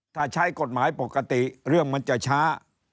ถ้าใช้กฎหมายปกติเรื่องมันจะช้า